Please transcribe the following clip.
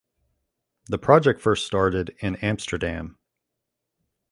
The project first started in Amsterdam.